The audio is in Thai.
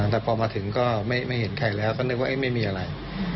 แต่พอมาถึงก็ไม่เห็นใครแล้วก็นึกว่าไม่มีอะไร